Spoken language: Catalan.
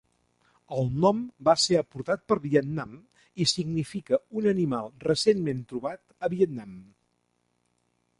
El nom va ser aportat per Vietnam i significa un animal recentment trobat a Vietnam.